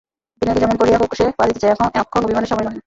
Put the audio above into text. বিনয়কে যেমন করিয়া হউক সে বাঁধিতে চায়, এখন অভিমানের সময় নহে।